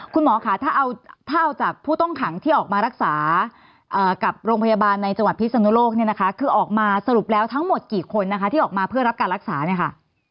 คุณหมอค่ะถ้าเอาจากผู้ต้องขังที่ออกมารักษากับโรงพยาบาลในจังหวัดพิศนุโลกเนี่ยนะคะคือออกมาสรุปแล้วทั้งหมดกี่คนนะคะที่ออกมาเพื่อรับการรักษาเนี่ยค่ะ